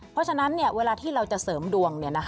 เพราะฉะนั้นเวลาที่เราจะเสริมดวง